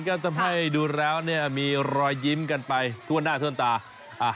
ก็ทำให้รอยยิ้มกันไปทั่วหน้าทั่วตา